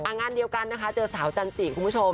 งานเดียวกันนะคะเจอสาวจันจิคุณผู้ชม